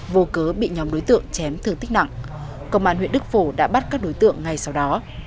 vô cớ bị nhóm đối tượng chém thương tích nặng công an huyện đức phổ đã bắt các đối tượng ngay sau đó